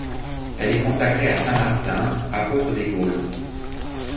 Elle est consacrée à saint Martin, apôtre des Gaules.